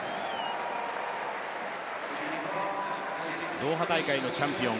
ドーハ大会チャンピオン